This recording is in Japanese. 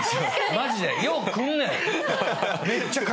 マジで。